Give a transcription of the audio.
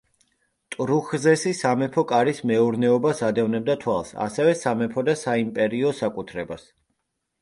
ტრუხზესი სამეფო კარის მეურნეობას ადევნებდა თვალს, ასევე სამეფო და საიმპერიო საკუთრებას.